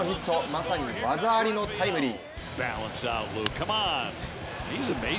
まさに技ありのタイムリー。